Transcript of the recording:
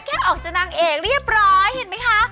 ออกจากนางเอกเรียบร้อยเห็นไหมคะ